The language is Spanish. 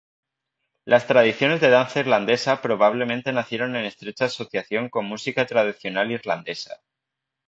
Las tradiciones de danza Irlandesa probablemente nacieron en estrecha asociación con música tradicional irlandesa.